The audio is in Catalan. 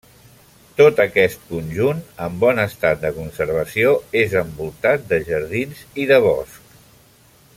Tot aquest conjunt, en bon estat de conservació, és envoltat de jardins i de bosc.